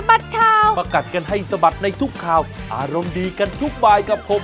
บอกเลยว่าสาวเนี่ยเตรียมกรี๊ดแน่นอน